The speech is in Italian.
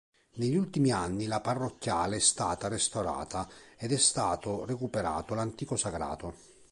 Negli ultimi anni la parrocchiale è stata restaurata ed è stato recuperato l'antico sagrato.